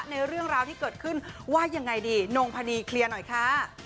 เรื่องราวที่เกิดขึ้นว่ายังไงดีนงพนีเคลียร์หน่อยค่ะ